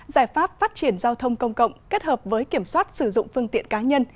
giải pháp phát triển giao thông công cộng kết hợp với kiểm soát sử dụng phương tiện cá nhân